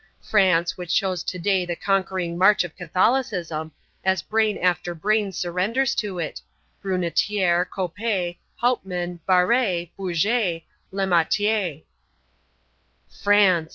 France, which shows today the conquering march of Catholicism, as brain after brain surrenders to it, Brunetière, Coppée, Hauptmann, Barrès, Bourget, Lemaître." "France!"